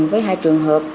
với hai trường hợp